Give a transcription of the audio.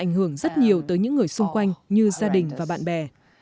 ảnh hưởng rất nhiều tới những người xung quanh như gia đình và bạn bè